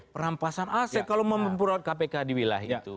perampasan aset kalau mau memperkuat kpk di wilayah itu